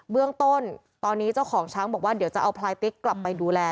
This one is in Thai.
เบื้องต้นตอนนี้เจ้าของช้างบอกว่าเดี๋ยวจะเอาพลายติ๊กกลับไปดูแล